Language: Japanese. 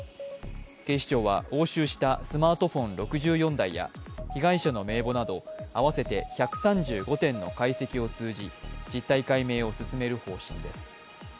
警視庁は、押収したスマートフォン６４台や被害者の名簿など合わせて１３５点の解析を通じ実態解明を進める方針です。